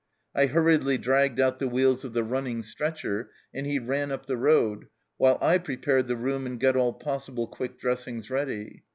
I hurriedly dragged out the wheels of the running stretcher, and he ran up the road, while I prepared the room and got all possible quick dressings ready.